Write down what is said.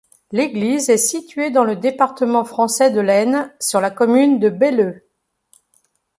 L'église est située dans le département français de l'Aisne, sur la commune de Belleu.